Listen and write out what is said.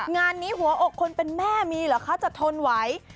งานนี้หัวอกคนเป็นแม่มีเหรอคะจะทนไหว